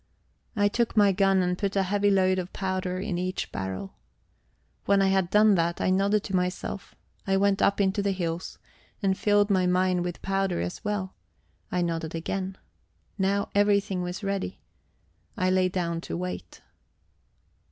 I took my gun and put a heavy load of powder in each barrel. When I had done that, I nodded to myself. I went up into the hills and filled my mine with powder as well; I nodded again. Now everything was ready. I lay down to wait.